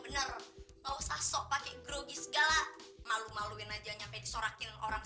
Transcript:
telepon aja di ateria oppression growl kare than filmedgung wal luv bersemosing kami zakat normwriting dan